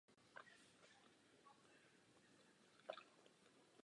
Nemělo by být jako takové opomíjeno.